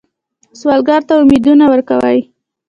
سوالګر ته امیدونه ورکوئ